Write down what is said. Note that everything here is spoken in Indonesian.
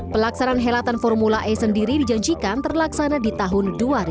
pelaksanaan helatan formula e sendiri dijanjikan terlaksana di tahun dua ribu dua puluh